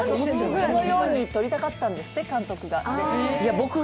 そのように撮りたかったんですって、監督が。